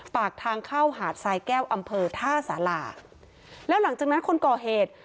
ปากทางเข้าหาดทรายแก้วอำเภอท่าสาราแล้วหลังจากนั้นคนก่อเหตุ